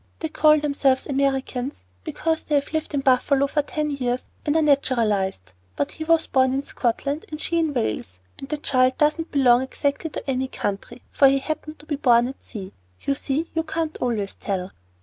They call themselves Americans because they have lived in Buffalo for ten years and are naturalized; but he was born in Scotland and she in Wales, and the child doesn't belong exactly to any country, for he happened to be born at sea. You see you can't always tell."